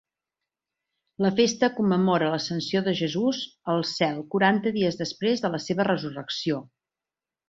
La festa commemora l'Ascensió de Jesús al cel quaranta dies després de la seva resurrecció.